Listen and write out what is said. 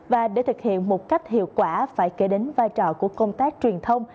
và để thực hiện một cách hiệu quả phải kể đến vai trò của công tác truyền thông